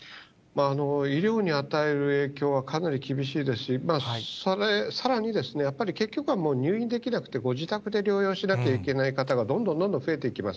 医療に与える影響は、かなり厳しいですし、さらにやっぱり結局はもう、入院できなくてご自宅で療養しなきゃいけない方がどんどんどんどん増えていきます。